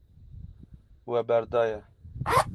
We berdaye.